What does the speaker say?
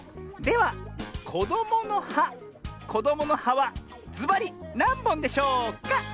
ではこどもの「は」こどもの「は」はずばりなんぼんでしょうか？